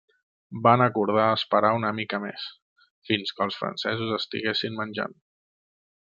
Van acordar esperar una mica més, fins que els francesos estiguessin menjant.